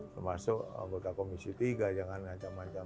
termasuk bukta komisi tiga jangan ancam ancam